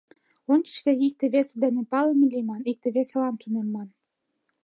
Ончыч тыге икте-весе дене палыме лийман, икте-весылан тунемман.